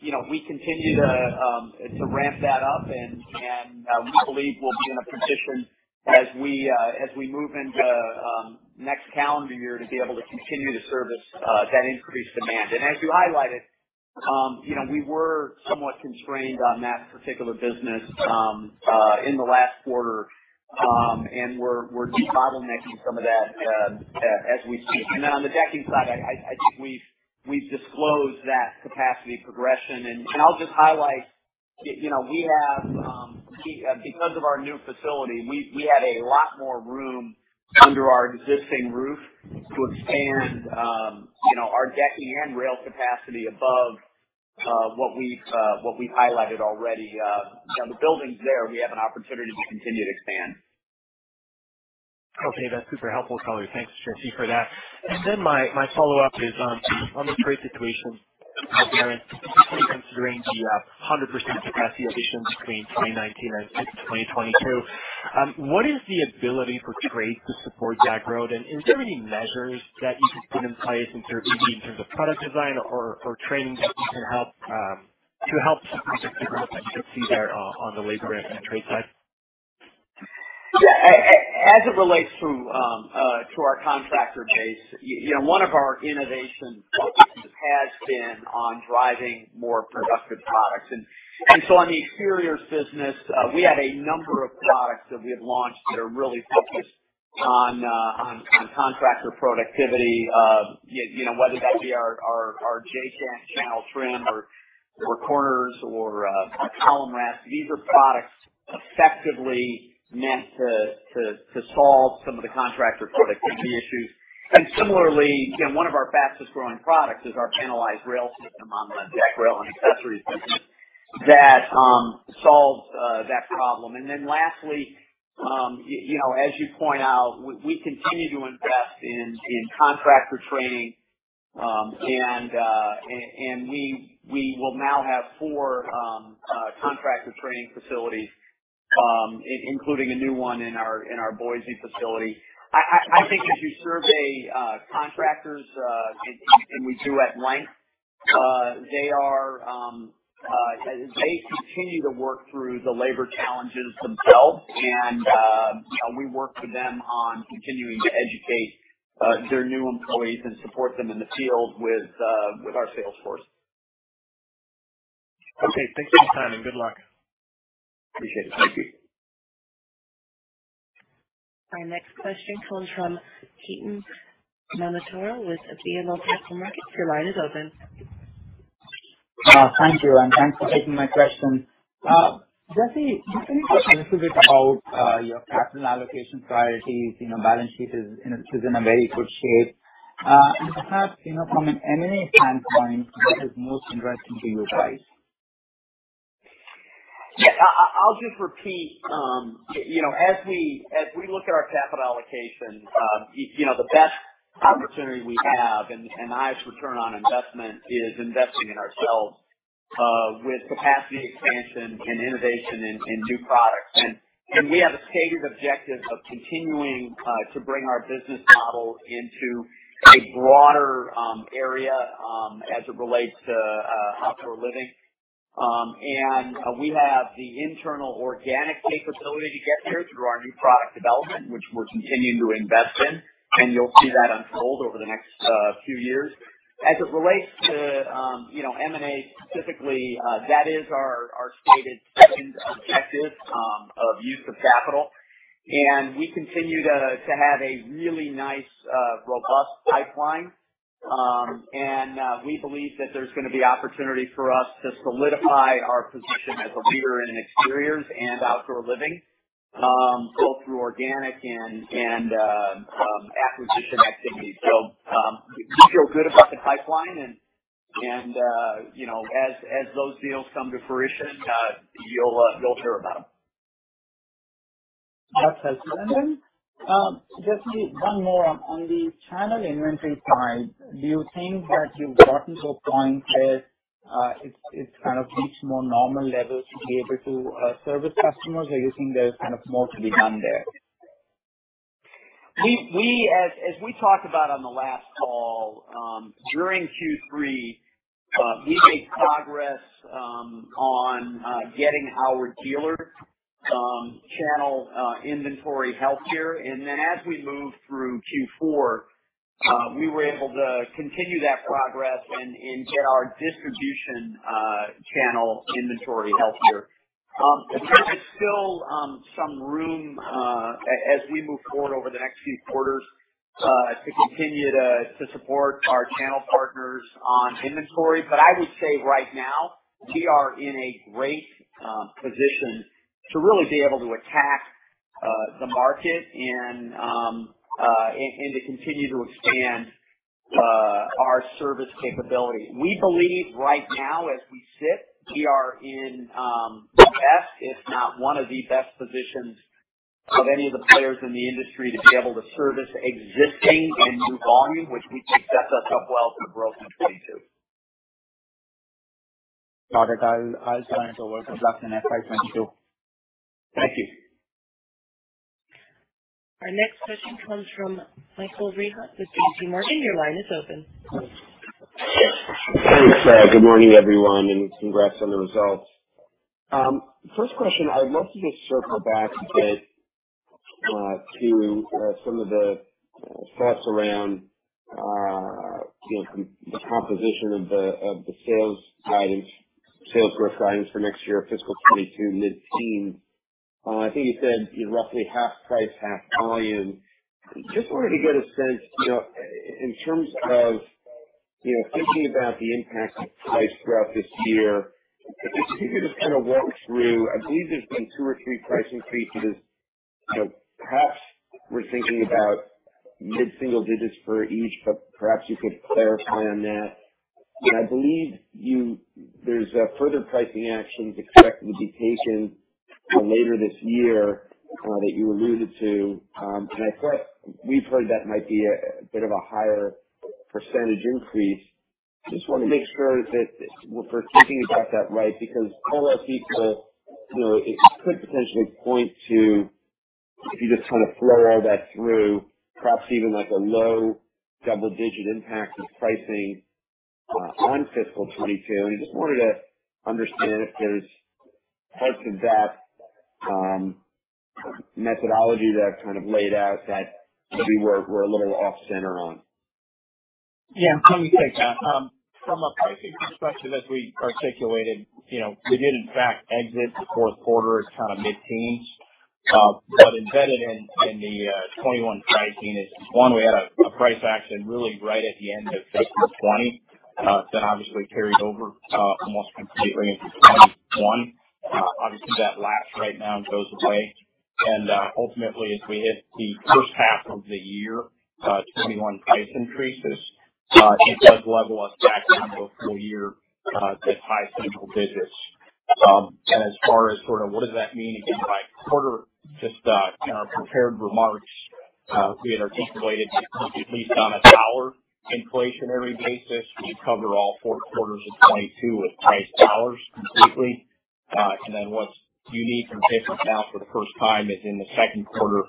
You know, we continue to ramp that up. We believe we'll be in a position as we move into next calendar year to be able to continue to service that increased demand. As you highlighted, you know, we were somewhat constrained on that particular business in the last quarter. We're de-bottlenecking some of that as we speak. On the decking side, I think we've disclosed that capacity progression. I'll just highlight, you know, we have, because of our new facility, we had a lot more room under our existing roof to expand, you know, our decking and rail capacity above what we've highlighted already. You know, the buildings there. We have an opportunity to continue to expand. Okay. That's super helpful color. Thanks, Jesse, for that. My follow-up is on the trade situation. Considering the 100% capacity addition between 2019 and 2022. What is the ability for trade to support that growth? And is there any measures that you could put in place in terms of, maybe in terms of product design or training that you can help to help some of the growth that you see there on the labor and trade side? Yeah. As it relates to our contractor base, you know, one of our innovation focus has been on driving more productive products. So, on the exteriors business, we have a number of products that we have launched that are really focused on contractor productivity. You know, whether that be our J-channel trim or corners or column wraps. These are products effectively meant to solve some of the contractor productivity issues. Similarly, you know, one of our fastest growing products is our panelized rail system on the deck rail and accessories business that solves that problem. Then lastly, you know, as you point out, we continue to invest in contractor training. We will now have four contractor training facilities, including a new one in our Boise facility. I think as you survey contractors, and we do at length, they continue to work through the labor challenges themselves. We work with them on continuing to educate their new employees and support them in the field with our sales force. Okay. Thanks for your time and good luck. Appreciate it. Thank you. Our next question comes from Ketan Mamtora with BMO Capital Markets. Your line is open. Thank you, and thanks for taking my question. Jesse, just a little bit about your capital allocation priorities. You know, balance sheet is in a very good shape. Perhaps, you know, from an M&A standpoint, what is most interesting to your guys? I'll just repeat, you know, as we look at our capital allocation, you know, the best opportunity we have and the highest return on investment is investing in ourselves with capacity expansion and innovation in new products. We have a stated objective of continuing to bring our business model into a broader area as it relates to outdoor living. We have the internal organic capability to get there through our new product development, which we're continuing to invest in. You'll see that unfold over the next few years. As it relates to you know, M&A specifically, that is our stated second objective of use of capital. We continue to have a really nice robust pipeline. We believe that there's going to be opportunity for us to solidify our position as a leader in exteriors and outdoor living, both through organic and acquisition activities. We feel good about the pipeline and, you know, as those deals come to fruition, you'll hear about them. That's excellent. Jesse, one more. On the channel inventory side, do you think that you've gotten to a point where it's kind of reached more normal levels to be able to service customers, or you think there's kind of more to be done there? As we talked about on the last call, during Q3, we made progress on getting our dealer channel inventory healthier. Then as we moved through Q4, we were able to continue that progress and get our distribution channel inventory healthier. There is still some room as we move forward over the next few quarters to continue to support our channel partners on inventory. I would say right now we are in a great position to really be able to attack the market and to continue to expand our service capability. We believe right now as we sit, we are in the best, if not one of the best positions of any of the players in the industry to be able to service existing and new volume, which we think sets us up well for growth in 2022. Got it. I'll sign off. Congrats on that. Thanks. Thank you. Our next question comes from Michael Rehaut with J.P. Morgan. Your line is open. Thanks. Good morning everyone, and congrats on the results. First question, I would love to just circle back a bit, to some of the thoughts around, you know, the composition of the sales guidance, sales growth guidance for next year, fiscal 2022 mid-teens%. I think you said roughly half price, half volume. Just wanted to get a sense, you know, in terms of, you know, thinking about the impact of price throughout this year. If you could just kind of walk through, I believe there's been two or three price increases. You know, perhaps we're thinking about mid-single digits for each, but perhaps you could clarify on that. I believe there's further pricing actions expected to be taken so later this year that you alluded to, and we've heard that might be a bit of a higher percentage increase. Just want to make sure that we're thinking about that right, because all those people, you know, it could potentially point to if you just kind of flow all that through, perhaps even like a low double-digit impact to pricing on fiscal 2022. I just wanted to understand if there's parts of that methodology that I've kind of laid out that maybe we're a little off center on. Yeah. Let me take that. From a pricing perspective, as we articulated, you know, we did in fact exit the fourth quarter as kind of mid-teen. Embedded in the 2021 pricing is one, we had a price action really right at the end of fiscal 2020 that obviously carried over almost completely into 2021. Obviously that laps right now and goes away. Ultimately, as we hit the first half of the year, 2021 price increases, it does level us back on a full year to high single digits. As far as sort of what does that mean again by quarter, just in our prepared remarks, we had articulated at least on a dollar inflationary basis, we cover all four quarters of 2022 with price dollars completely. What's unique and different now for the first time is in the second quarter of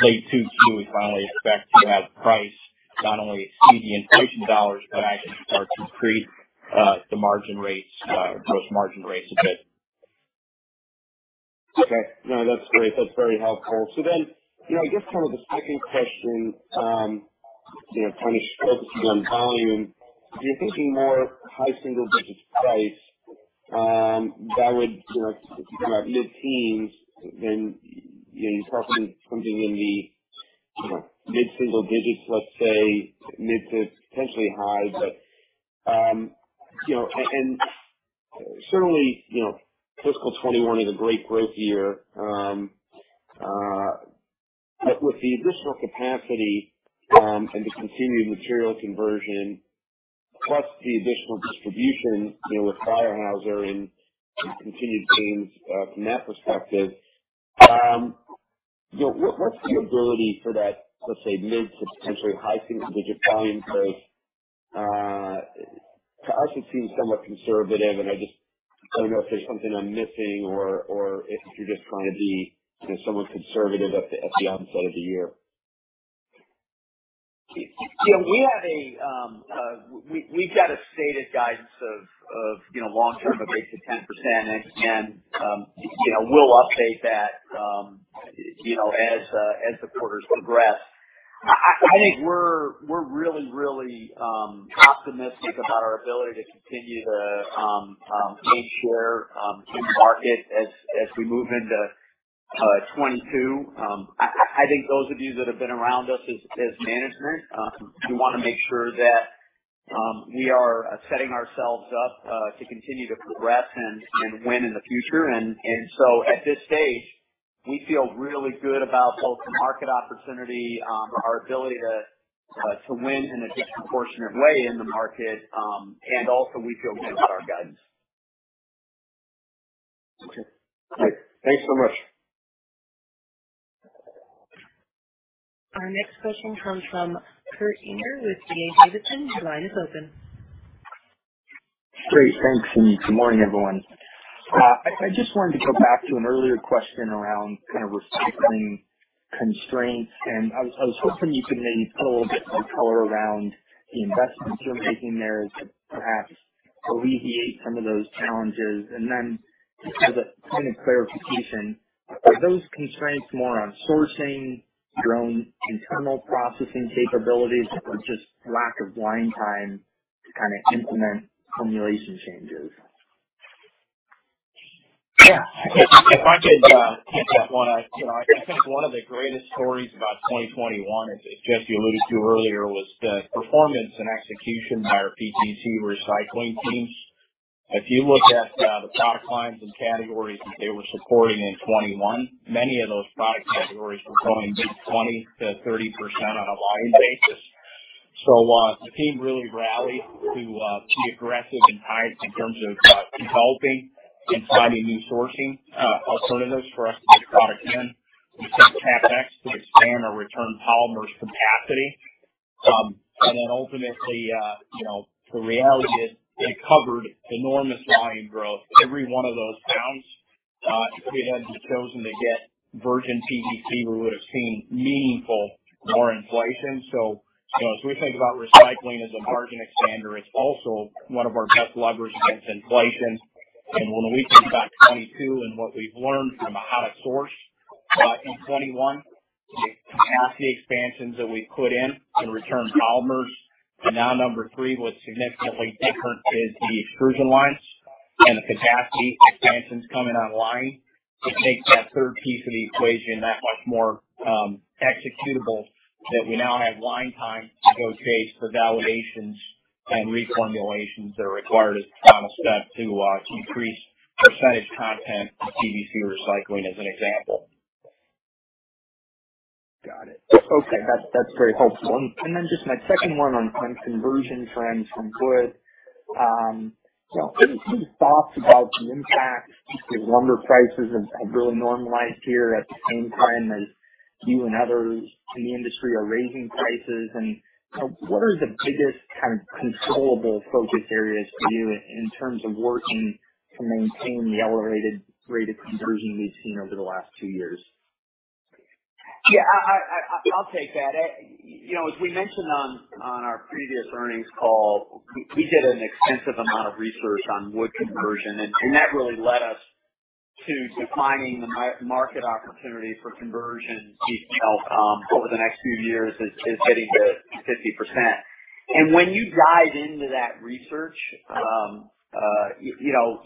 2022 too, we finally expect to have price not only exceed the inflation dollars, but actually start to create the margin rates, gross margin rates a bit. Okay. No, that's great. That's very helpful. You know, I guess kind of the second question, you know, kind of focusing on volume. If you're thinking more high-single-digits price, that would, you know, if you think about mid-teens, then you're talking something in the, you know, mid-single-digits, let's say mid- to potentially high. You know, and certainly, you know, fiscal 2021 is a great growth year. With the additional capacity, and the continued material conversion, plus the additional distribution, you know, with Firehouse and continued gains, from that perspective, you know, what's the ability for that, let's say mid- to potentially high-single-digit volume growth? To us it seems somewhat conservative, and I just don't know if there's something I'm missing or if you're just trying to be, you know, somewhat conservative at the onset of the year. You know, we've got a stated guidance of, you know, long term of 8%-10%. You know, we'll update that, you know, as the quarters progress. I think we're really optimistic about our ability to continue to gain share in market as we move into 2022. I think those of you that have been around us as management, we wanna make sure that we are setting ourselves up to continue to progress and win in the future. At this stage, we feel really good about both the market opportunity, our ability to win in a disproportionate way in the market, and also we feel good about our guidance. Okay, great. Thanks so much. Our next question comes from Kurt Yinger with D.A. Davidson. Your line is open. Great. Thanks, Chantelle. Good morning, everyone. I just wanted to go back to an earlier question around kind of recycling constraints, and I was hoping you could maybe put a little bit more color around the investments you're making there to perhaps alleviate some of those challenges. Just as a point of clarification, are those constraints more on sourcing your own internal processing capabilities or just lack of line time to kind of implement formulation changes? Yeah. If I could take that one. I think one of the greatest stories about 2021, as Jesse alluded to earlier, was the performance and execution by our PVC recycling teams. If you looked at the product lines and categories that they were supporting in 2021, many of those product categories were growing mid-20%-30% on a volume basis. The team really rallied to be aggressive and tight in terms of developing and finding new sourcing alternatives for us to get product in. We spent CapEx to expand our Return Polymers capacity. Ultimately, the reality is they covered enormous volume growth. Every one of those pounds, if we had chosen to get virgin PVC, we would have seen meaningful raw inflation. You know, as we think about recycling as a margin expander, it's also one of our best levers against inflation. When we think about 2022 and what we've learned from how to source in 2021, the capacity expansions that we've put in to Return Polymers, and now number 3, what's significantly different is the extrusion lines and the capacity expansions coming online. It makes that third piece of the equation that much more executable that we now have line time to go chase for validations and reformulations that are required as the final step to increase percentage content of PVC recycling as an example. Okay. That's very helpful. Then just my second one on conversion trends from wood. You know, any thoughts about the impact since the lumber prices have really normalized here at the same time as you and others in the industry are raising prices? You know, what are the biggest kind of controllable focus areas for you in terms of working to maintain the elevated rate of conversion we've seen over the last two years? Yeah. I'll take that. You know, as we mentioned on our previous earnings call, we did an extensive amount of research on wood conversion, and that really led us to defining the market opportunity for conversion. You know, over the next few years is getting to 50%. When you dive into that research, you know.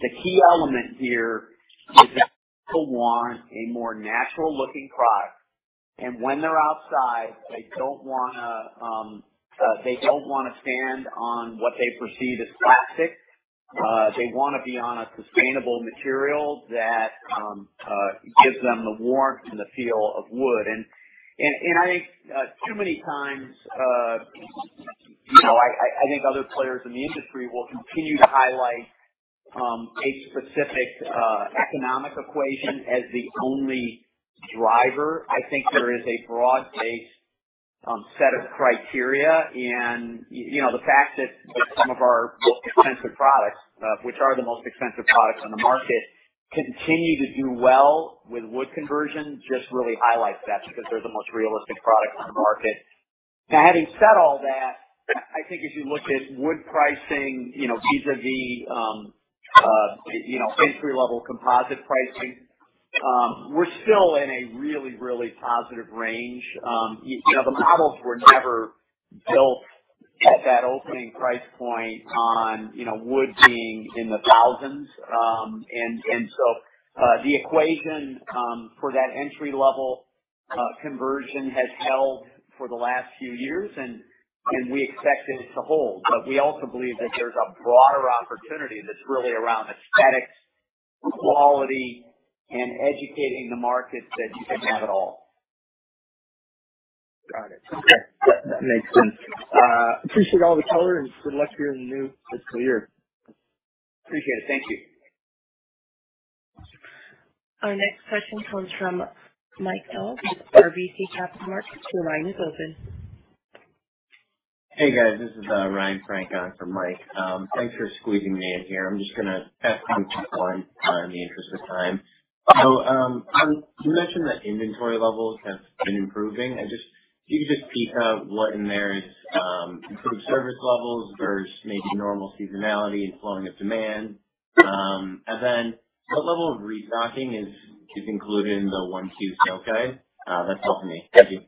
The key element here is that people want a more natural looking product, and when they're outside, they don't wanna stand on what they perceive as plastic. They wanna be on a sustainable material that gives them the warmth and the feel of wood. I think too many times, you know, I think other players in the industry will continue to highlight a specific economic equation as the only driver. I think there is a broad-based set of criteria. You know, the fact that some of our most expensive products, which are the most expensive products on the market, continue to do well with wood conversion just really highlights that because they're the most realistic product on the market. Now, having said all that, I think if you look at wood pricing, you know, vis-à-vis, you know, entry level composite pricing, we're still in a really positive range. You know, the models were never built at that opening price point on, you know, wood being in the thousands. The equation for that entry level conversion has held for the last few years and we expect it to hold. We also believe that there's a broader opportunity that's really around aesthetics, quality, and educating the market that you can have it all. Got it. Okay. That makes sense. Appreciate all the color and good luck here in the new fiscal year. Appreciate it. Thank you. Our next question comes from Mike Dahl with RBC Capital Markets. Your line is open. Hey, guys. This is Ryan Heeke on for Mike. Thanks for squeezing me in here. I'm just gonna ask one quick one in the interest of time. You mentioned that inventory levels have been improving. Can you just break out what in there is improved service levels versus maybe normal seasonality and slowing of demand? And then what level of restocking is included in the 1Q sales guide? That's all for me. Thank you.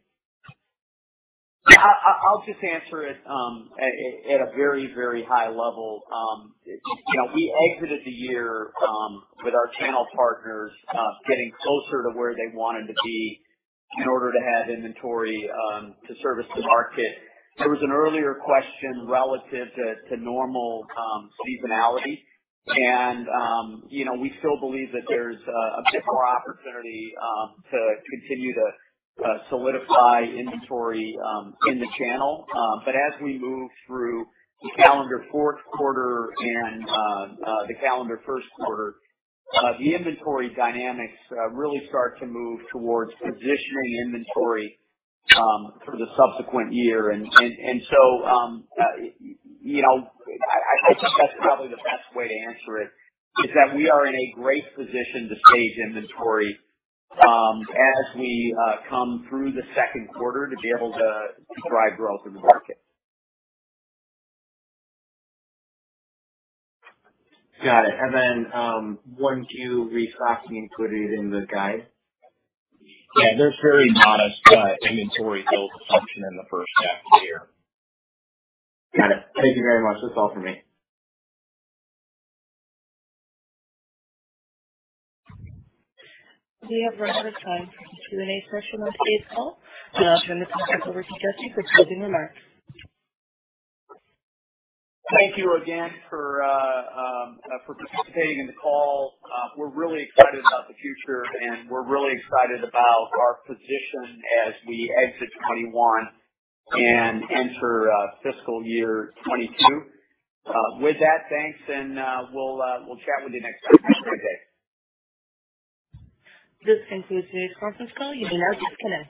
Yeah. I'll just answer it at a very, very high level. You know, we exited the year with our channel partners getting closer to where they wanted to be in order to add inventory to service the market. There was an earlier question relative to normal seasonality. You know, we still believe that there's a bit more opportunity to continue to solidify inventory in the channel. But as we move through the calendar fourth quarter and the calendar first quarter, the inventory dynamics really start to move towards positioning inventory for the subsequent year. You know, I think that's probably the best way to answer it, is that we are in a great position to stage inventory as we come through the second quarter to be able to drive growth in the market. Got it. Q1 restocking included in the guide? Yeah. There's very modest inventory build function in the first half of the year. Got it. Thank you very much. That's all for me. We have run out of time for the Q&A portion of today's call. I'll turn this conference over to Jesse for closing remarks. Thank you again for participating in the call. We're really excited about the future, and we're really excited about our position as we exit 2021 and enter fiscal year 2022. With that, thanks. We'll chat with you next time. Have a great day. This concludes today's conference call. You may now disconnect.